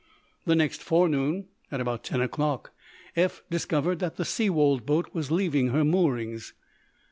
The next forenoon, at about ten o'clock, Eph discovered that the Seawold boat was leaving her moorings.